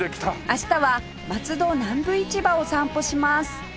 明日は松戸南部市場を散歩します